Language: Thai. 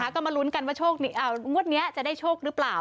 ก็มาลุ้นกันว่างวดนี้จะได้โชคหรือเปล่า